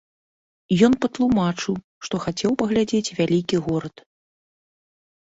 Ён патлумачыў, што хацеў паглядзець вялікі горад.